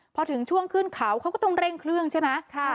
พอถึงช่วงขึ้นเขาเขาก็ต้องเร่งเครื่องใช่ไหม